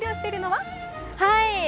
はい！